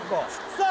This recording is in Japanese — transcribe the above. さあ